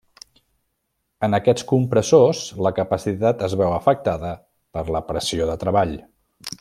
En aquests compressors la capacitat es veu afectada per la pressió de treball.